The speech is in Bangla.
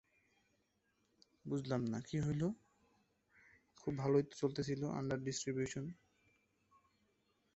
জার্মানি ও বহির্বিশ্বের অন্যান্য সংস্থাগুলোর সাথে একত্রে এটি অটো হান পুরস্কার এবং ম্যাক্স বর্ন পুরস্কার ও পদক প্রদান করে।